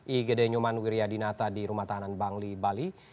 igd nyoman wiryadinata di rumah tahanan bangli bali